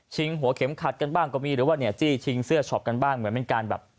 หัวเข็มขัดกันบ้างก็มีหรือว่าเนี่ยจี้ชิงเสื้อช็อปกันบ้างเหมือนเป็นการแบบ